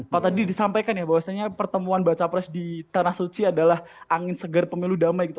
pak tadi disampaikan ya bahwasannya pertemuan baca pres di tanah suci adalah angin segar pemilu damai gitu